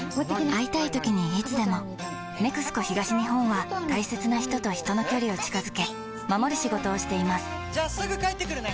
会いたいときにいつでも「ＮＥＸＣＯ東日本」は大切な人と人の距離を近づけ守る仕事をしていますじゃあすぐ帰ってくるね！